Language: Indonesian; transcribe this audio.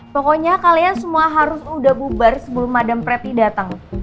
pokoknya kalian semua harus udah bubar sebelum madam preppy dateng